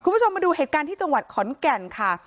คุณผู้ชมมาดูเหตุการณ์ที่จังหวัดขอนแก่นค่ะ